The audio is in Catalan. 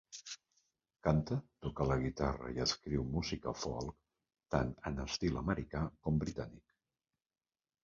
Canta, toca la guitarra i escriu música folk tant en estil americà com britànic.